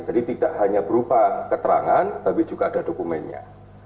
jadi tidak hanya berupa keterangan tapi juga ada dokumennya